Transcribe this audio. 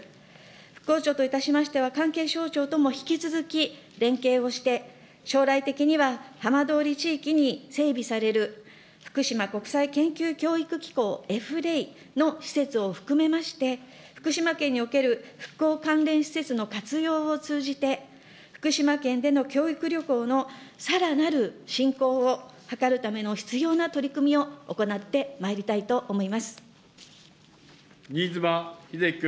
復興庁といたしましては、関係省庁とも引き続き連携をして、将来的には浜通り地域に整備される、福島国際研究教育機構・エフレイの施設を含めまして、福島県における復興関連施設の活用を通じて、福島県での教育旅行のさらなる振興を図るための必要な取り組みを新妻秀規君。